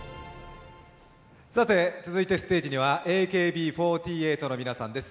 続いてステージにはＡＫＢ４８の皆さんです。